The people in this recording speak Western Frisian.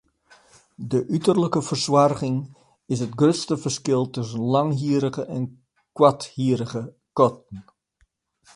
De uterlike fersoarging is it grutste ferskil tusken langhierrige en koarthierrige katten.